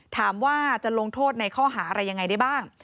ถามว่าจะลงโทษในข้อหาอะไรยังไงได้บ้าง